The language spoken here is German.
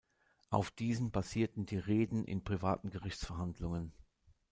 Auf diesen basierten die Reden in privaten Gerichtsverhandlungen.